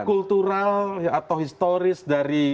kultural atau historis dari